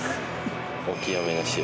お清めの塩。